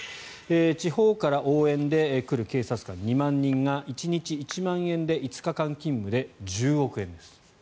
地方から応援で来る警察官２万人が１日１万円で５日間勤務で１０億円です。